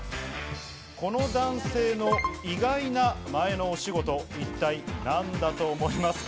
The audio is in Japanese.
この男性の意外な前のお仕事、一体なんだと思いますか？